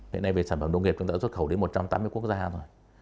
hiện nay về sản phẩm nông nghiệp chúng ta đã xuất khẩu đến một trăm tám mươi quốc gia rồi